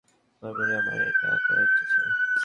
বরাবরই আমার এটা করার ইচ্ছা ছিল।